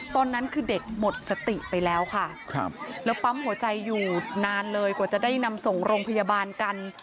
ตอนนั้นคือเด็กหมดสติไปแล้วค่ะแล้วปั๊มหัวใจอยู่นานเลยกว่าจะได้นำส่งโรงพยาบาลกัน